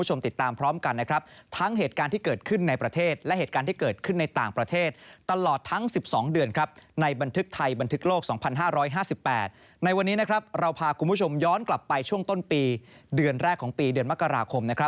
ย้อนกลับไปช่วงต้นปีเดือนแรกของปีเดือนมกราคม